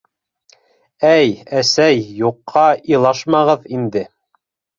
- Әй, әсәй, юҡҡа илашмағыҙ инде.